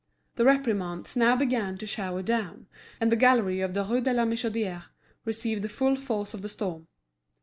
The reprimands now began to shower down, and the gallery of the Rue de la Michodière received the full force of the storm.